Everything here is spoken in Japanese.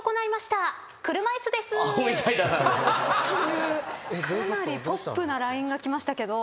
かなりポップなＬＩＮＥが来ましたけど。